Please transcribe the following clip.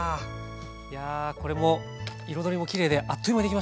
いやこれも彩りもきれいであっという間に出来ましたね。